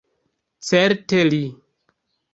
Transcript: Certe, li.